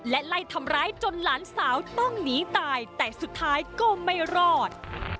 และไล่ทำร้ายจนหลานสาวต้องหนีตายแต่สุดท้ายก็ไม่รอด